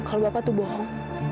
kalau bapak tuh bohong